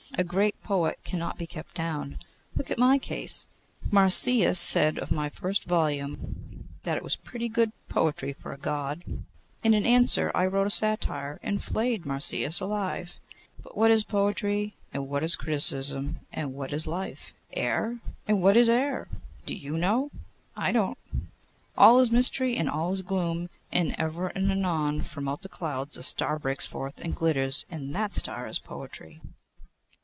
A great poet cannot be kept down. Look at my case. Marsyas said of my first volume that it was pretty good poetry for a God, and in answer I wrote a satire, and flayed Marsyas alive. But what is poetry, and what is criticism, and what is life? Air. And what is air? Do you know? I don't. All is mystery, and all is gloom, and ever and anon from out the clouds a star breaks forth, and glitters, and that star is Poetry.